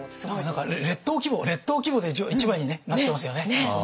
何か列島規模列島規模で一枚にねなってますよね。